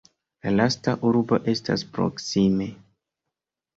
La lasta urbo estas proksime.